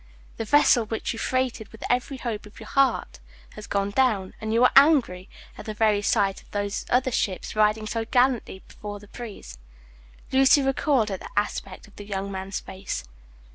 The vessel which you freighted with every hope of your heart has gone down, and you are angry at the very sight of those other ships riding so gallantly before the breeze. Lucy recoiled at the aspect of the young man's face.